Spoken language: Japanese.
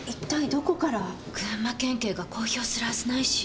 群馬県警が公表するはずないし。